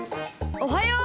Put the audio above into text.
おはよう。